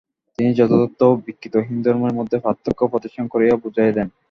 তিনি যথার্থ ও বিকৃত হিন্দুধর্মের মধ্যেও পার্থক্য প্রদর্শন করিয়া বুঝাইয়া দেন।